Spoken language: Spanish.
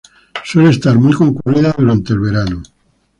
Suele estar muy concurrida durante el verano.